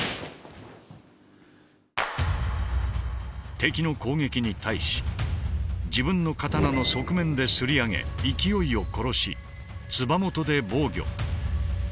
敵の攻撃に対し自分の刀の側面で擦り上げ勢いを殺しつば元で防御。